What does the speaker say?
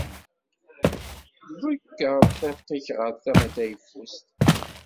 Ḍegger tiṭ-ik ɣer tama tayeffust.